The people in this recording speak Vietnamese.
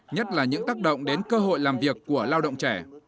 nhất là những tác động đến cơ hội làm việc của lao động trẻ